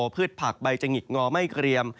พืชผักใบจะหงิกงอไม่เกรียม